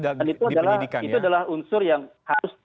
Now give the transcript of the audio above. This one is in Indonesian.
dan itu adalah unsur yang harus